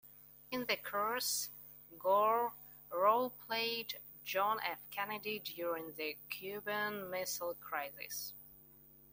In the course, Gore role-played John F. Kennedy during the Cuban Missile Crisis.